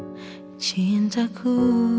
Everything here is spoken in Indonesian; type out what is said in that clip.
aku tak pernah cintaku